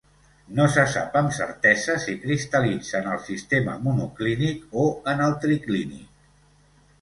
No se sap amb certesa si cristal·litza en el sistema monoclínic o en el triclínic.